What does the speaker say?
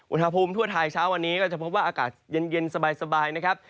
อุณหภูมิทั่วไทยเช้าวันนี้ก็จะพบว่าอากาศเย็นสบายนะครับ